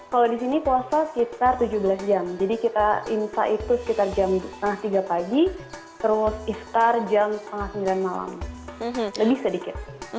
kalau di sini puasa sekitar tujuh belas jam jadi kita insya itu sekitar jam tiga tiga puluh pagi terus iftar jam sembilan tiga puluh malam lebih sedikit